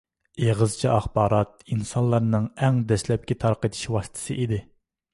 ئېغىزچە ئاخبارات ئىنسانلارنىڭ ئەڭ دەسلەپكى تارقىتىش ۋاسىتىسى ئىدى.